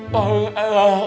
pak deh enak banget